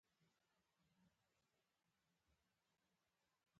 احمدشاه بابا د فرهنګي ارزښتونو ساتنه کړی.